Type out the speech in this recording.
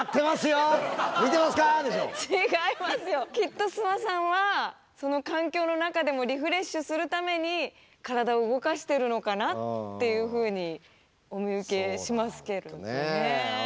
きっと諏訪さんはその環境の中でもリフレッシュするために体を動かしてるのかなっていうふうにお見受けしますけどね。